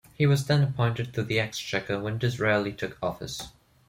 He was then appointed to the Exchequer when Disraeli took office.